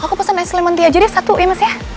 aku pesen es lemon tea aja deh satu ya mas ya